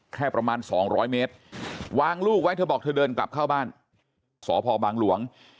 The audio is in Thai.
แค่ประมาณ๒๐๐เมตรวางลูกไว้เธอบอกเธอเดินกลับเข้าบ้านสพบางหลวง